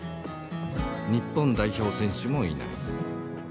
日本代表選手もいない。